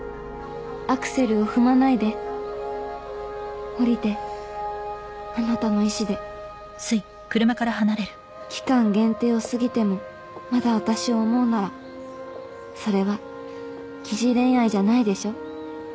アクセルを踏まないで降りてあなたの意思で期間限定を過ぎてもまだ私を思うならそれは疑似恋愛じゃないでしょ